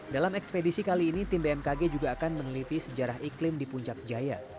dalam ekspedisi kali ini tim bmkg juga akan meneliti sejarah iklim di puncak jaya